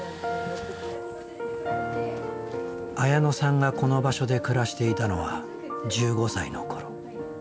綾乃さんがこの場所で暮らしていたのは１５歳の頃。